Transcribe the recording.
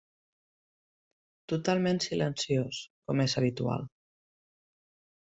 Totalment silenciós, com és habitual.